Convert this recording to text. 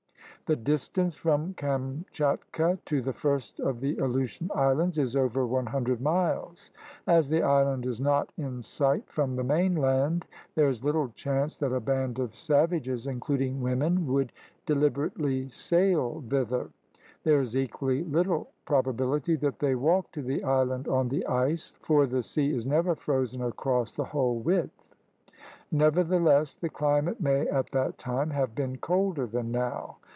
The distance from Kamchatka to the first of the Aleutian Islands is over one hundred miles. As the island is not in 16 THE RED MAN'S CONTINENT sight from the mainland, there is Httle chance that a band of savages, including women, would de liberately sail thither. There is equally little prob ability that they walked to the island on the ice, for the sea is never frozen across the whole width. Nevertheless the climate may at that time have been colder than now.